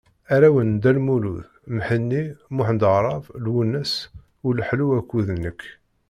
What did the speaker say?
Arraw n Dda Lmulud: Mhenni, Muḥend Aɛṛab, Lwennas, Uleḥlu akked nekk.